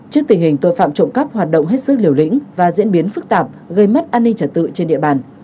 trước tình hình tội phạm trộm cắp hoạt động hết sức liều lĩnh và diễn biến phức tạp gây mất an ninh trật tự trên địa bàn